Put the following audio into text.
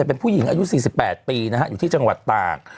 เป็นผู้หญิงอายุ๔๘ปีนะฮะอยู่ที่จังหวัดตาก